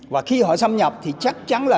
và khi họ xâm nhập thì chắc chắn là